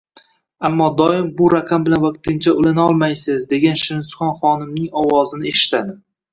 Ammo doim “Bu raqam bilan vaqtincha ulanolmaymaysiz” degan shirinsuxan xonimning ovozini eshitadi